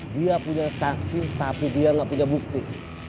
dia punya saksi tapi dia tidak punya bukti